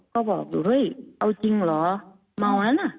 ก็บอกเอาจริงเหรอเมานะน่ะ